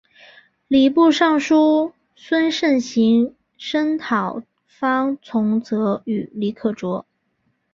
礼部尚书孙慎行声讨方从哲与李可灼。